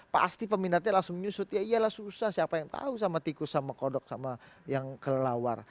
pasti peminatnya langsung menyusut ya iyalah susah siapa yang tahu sama tikus sama kodok sama yang kelelawar